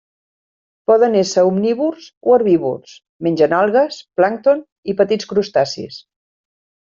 Poden ésser omnívors o herbívors: mengen algues, plàncton i petits crustacis.